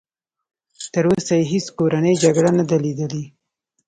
تر اوسه یې هېڅ کورنۍ جګړه نه ده لیدلې.